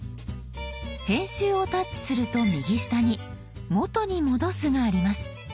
編集をタッチすると右下に「元に戻す」があります。